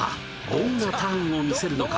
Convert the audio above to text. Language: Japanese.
どんなターンを見せるのか？